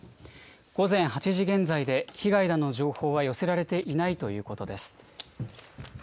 午前８時現在で、被害などの情報は寄せられていないということです。